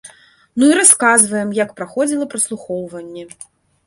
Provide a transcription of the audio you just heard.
Ну і расказваем, як праходзіла праслухоўванне.